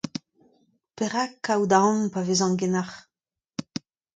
Perak kaout aon pa vezan ganeoc'h ?